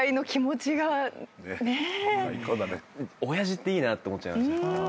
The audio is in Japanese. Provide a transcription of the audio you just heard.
親父っていいなって思っちゃいました。